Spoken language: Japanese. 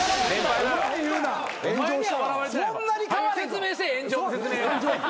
早う説明せえ炎上の説明。